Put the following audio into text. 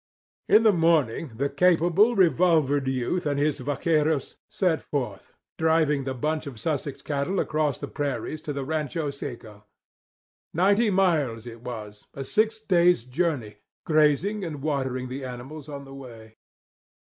In the morning the capable, revolvered youth and his vaqueros set forth, driving the bunch of Sussex cattle across the prairies to the Rancho Seco. Ninety miles it was; a six days' journey, grazing and watering the animals on the way.